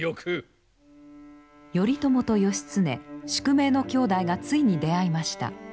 頼朝と義経宿命の兄弟がついに出会いました。